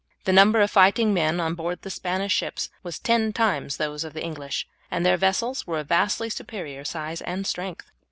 The number of fighting men on board the Spanish ships was ten times those of the English, and their vessels were of vastly superior size and strength.